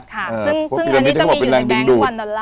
ค่ะซึ่งอันนี้จะมีอยู่ในแบงค์วันดอลลาร์